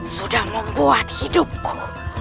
sudah membuat hidupku